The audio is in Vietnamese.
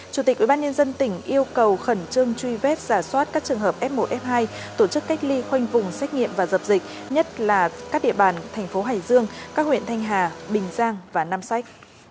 chủ tịch ubnd tỉnh yêu cầu khẩn trương truy vết giả soát các trường hợp f một f hai tổ chức cách ly khoanh vùng xét nghiệm và dập dịch nhất là các địa bàn thành phố hải dương các huyện thanh hà bình giang và nam sách